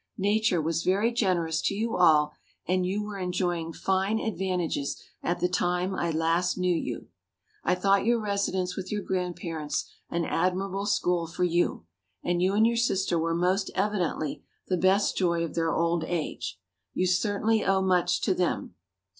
Nature was very generous to you all and you were enjoying fine advantages at the time I last knew you. I thought your residence with your Grandparents an admirable school for you, and you and your sister were most evidently the best joy of their old age. You certainly owe much to them.